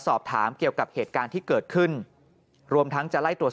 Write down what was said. สอบถามเกี่ยวกับเหตุการณ์ที่เกิดขึ้นรวมทั้งจะไล่ตรวจสอบ